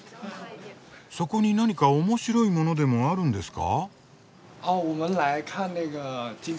そこに何かおもしろいものでもあるんですか？